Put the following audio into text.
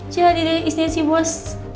jadi deh istrinya si bos